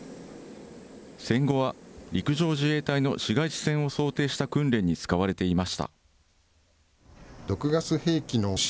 戦後は陸上自衛隊の市街地戦を想定した訓練に使われていました。